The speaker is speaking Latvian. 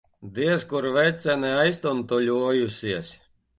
Diez kur vecene aiztuntuļojusies.